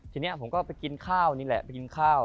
ทีนี้ผมก็ไปกินข้าวนี่แหละไปกินข้าว